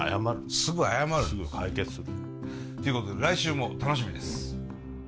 すぐ解決する。ということで来週も楽しみです！